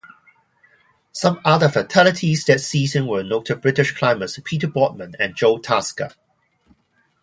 Some other fatalities that season were noted British climbers Peter Boardman and Joe Tasker.